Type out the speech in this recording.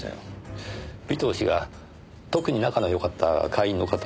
尾藤氏が特に仲のよかった会員の方は？